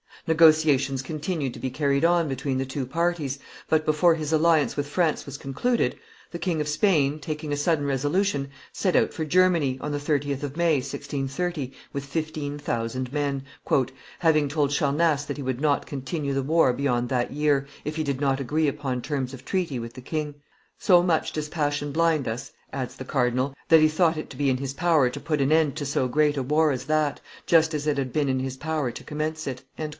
Negotiations continued to be carried on between the two parties, but, before his alliance with France was concluded, the King of Sweden, taking a sudden resolution, set out for Germany, on the 30th of May, 1630, with fifteen thousand men, "having told Charnace that he would not continue the war beyond that year, if he did not agree upon terms of treaty with the king; so much does passion blind us," adds the cardinal, "that he thought it to be in his power to put an end to so great a war as that, just as it had been in his power to commence it."